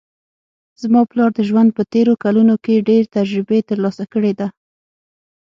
زما پلار د ژوند په تېرو کلونو کې ډېر تجربې ترلاسه کړې ده